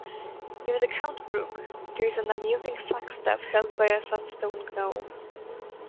Near the Cound Brook there is an amusing flagstaff held by a sandstone gnome.